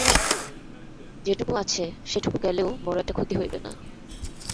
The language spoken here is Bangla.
যেটুকু আছে সেটুকু গেলেও বড়ো একটা ক্ষতি হইবে না।